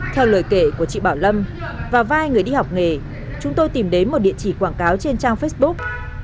theo lời kể của chị bảo lâm và vai người đi học nghề chúng tôi tìm đến một địa chỉ quảng cáo trên trang facebook